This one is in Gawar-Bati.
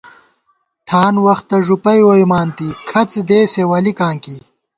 ٹھان وختہ ݫُپَئی ووئیمانتی، کھڅدېسےولِکاں کی